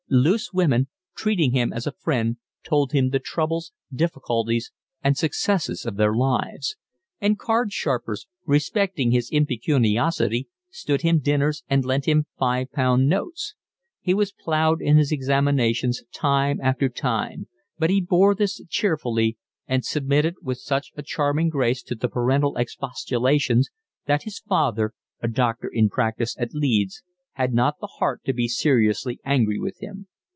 Loose women, treating him as a friend, told him the troubles, difficulties, and successes of their lives; and card sharpers, respecting his impecuniosity, stood him dinners and lent him five pound notes. He was ploughed in his examinations time after time; but he bore this cheerfully, and submitted with such a charming grace to the parental expostulations that his father, a doctor in practice at Leeds, had not the heart to be seriously angry with him.